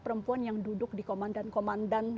perempuan yang duduk di komandan komandan